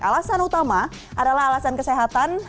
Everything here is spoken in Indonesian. alasan utama adalah alasan kesehatan